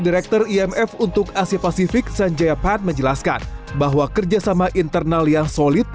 direktur imf untuk asia pasifik sanjaya pan menjelaskan bahwa kerjasama internal yang solid